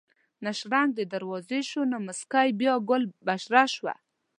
نه شرنګ د دروازې شو نه موسکۍ بیا ګل بشره شوه